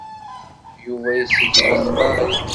Yuba yesseglem Mary.